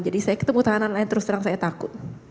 jadi saya ketemu tahanan lain terus terang saya takut